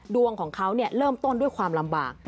ดวงของเขาเริ่มต้นด้วยความลำบาก